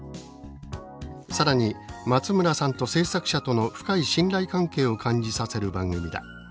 更に「松村さんと制作者との深い信頼関係を感じさせる番組だ」